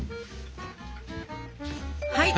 はい！